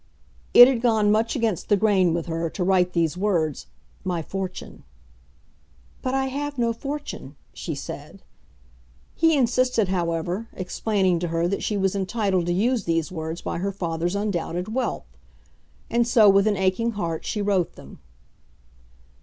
It had gone much against the grain with her to write these words, "my fortune." "But I have no fortune," she said. He insisted however, explaining to her that she was entitled to use these words by her father's undoubted wealth. And so, with an aching heart, she wrote them.